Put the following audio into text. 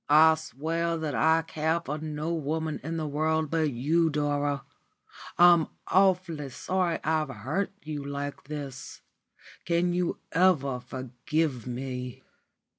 "I swear that I care for no woman in the world but you, Dora. I'm awfully sorry I've hurt you like this. Can you ever forgive me?"